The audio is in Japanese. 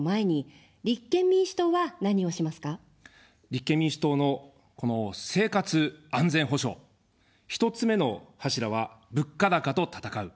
立憲民主党の生活安全保障、１つ目の柱は物価高と戦う。